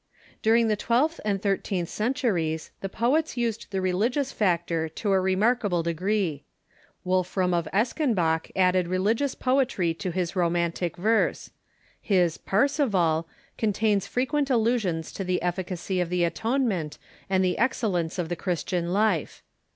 During the twelfth and thirteenth centuries the poets used the religious factor to a remarkable degree. Wolfram of Eschenbach added religious poetry to his romantic verse. His " Parceval " contains frequent allusions to the eiScacy of the atonement and the excellence of the Christian life.